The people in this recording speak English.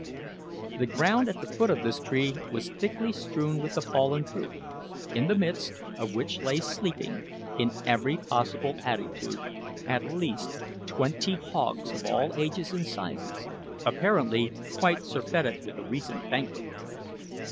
The ground at the foot of this tree was thickly strewn with the fallen fruit, in the midst of which lay sleeping, in every possible attitude, at least twenty hogs of all ages and sizes, apparently quite surfeited with a recent banquet.